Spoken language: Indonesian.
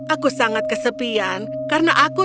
aku sangat kesepian karena aku